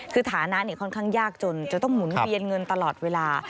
คือฐานะค่อนข้างยากจนจะต้องหมุนเวียนเงินตลอดเวลา